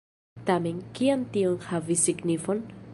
Tamen, kian tio havis signifon?